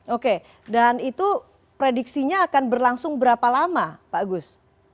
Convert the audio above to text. oke dan itu prediksinya akan berlangsung berapa lama pak gus